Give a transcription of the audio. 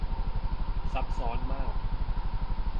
ซับซ้อนมาก